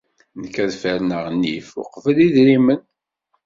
Nekk ad ferneɣ nnif uqbel idrimen.